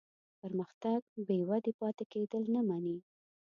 پرمختګ بېودې پاتې کېدل نه مني.